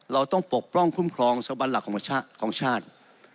เราต้องปกป้องคุ้มครองสบันหลักของชาติ